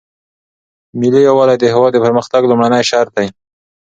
ملي یووالی د هیواد د پرمختګ لومړنی شرط دی.